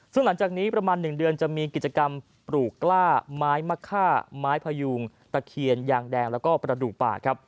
ซึ่งหลังจากนี้ประมาณ๑เดือนจะมีกิจกรรมปลูกกล้าไม้มะค่าไม้พยุงตะเคียนยางแดงแล้วก็ประดูกป่าครับ